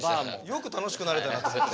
よく楽しくなれたなと思って。